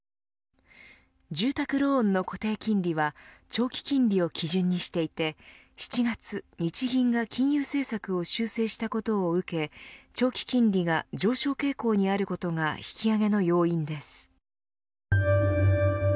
住宅ローンの固定金利は長期金利を基準にしていて７月、日銀が金融政策を修正したことを受け長期金利が上昇傾向にあることが引き上げの要因です。